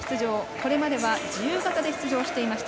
これまでは自由形で出場していました。